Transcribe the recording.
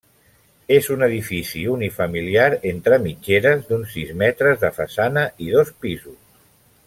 És un edifici unifamiliar entre mitgeres d'uns sis metres de façana i dos pisos.